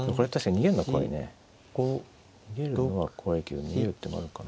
逃げるのは怖いけど逃げる手もあるかな。